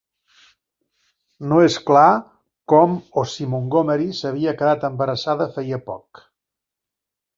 No és clar com o si Montgomery s'havia quedat embarassada feia poc.